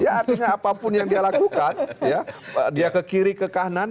ya artinya apapun yang dia lakukan dia ke kiri ke kanan